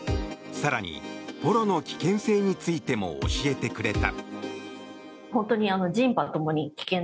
更にポロの危険性についても教えてくれた。